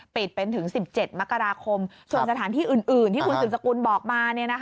ปิดเป็นถึง๑๗มกราคมส่วนสถานที่อื่นที่คุณสืบสกุลบอกมา